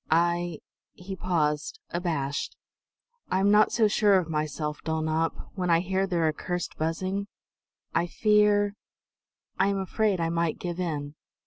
I" he paused, abashed "I am not so sure of myself, Dulnop, when I hear Their accursed buzzing. I fear I am afraid I might give in!"